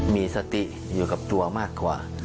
มีสติอยู่กับตัวมากกว่า